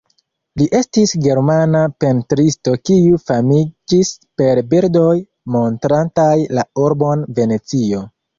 Li estis germana pentristo kiu famiĝis per bildoj montrantaj la urbon Venecio.